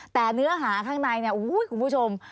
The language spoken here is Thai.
แต่เนื้อหาข้างในคุณผู้ชม